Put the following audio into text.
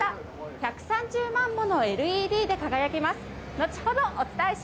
１３０万ものＬＥＤで輝きます。